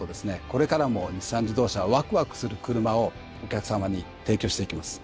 これからも日産自動車はわくわくする車をお客さまに提供していきます。